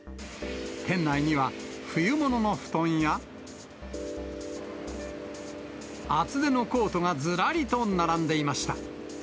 店内には冬物の布団や、厚手のコートがずらりと並んでいました。